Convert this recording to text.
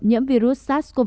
nhiễm virus sars cov hai